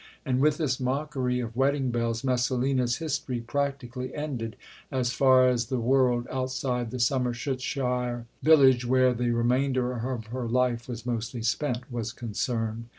And with this mockery of wedding bells "Messalina's" history practically ended as far as the world, outside the Somersetshire village, where the remainder of her life was mostly spent, was concerned.